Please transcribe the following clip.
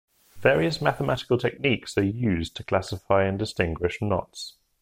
Various mathematical techniques are used to classify and distinguish knots.